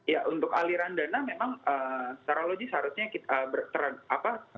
ya untuk aliran dana memang secara logis harusnya kita